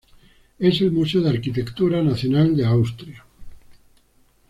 Es el museo de arquitectura nacional de Austria.